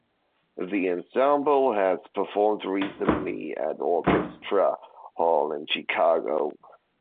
The ensemble has performed recently at Orchestra Hall in Chicago.